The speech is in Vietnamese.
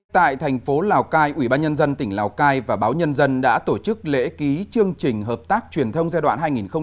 tại thành phố lào cai ủy ban nhân dân tỉnh lào cai và báo nhân dân đã tổ chức lễ ký chương trình hợp tác truyền thông giai đoạn hai nghìn một mươi chín hai nghìn hai mươi